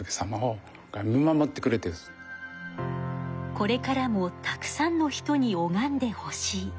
これからもたくさんの人におがんでほしい。